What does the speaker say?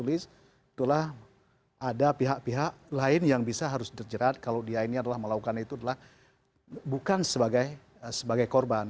itulah ada pihak pihak lain yang bisa harus dijerat kalau dia ini adalah melakukan itu adalah bukan sebagai korban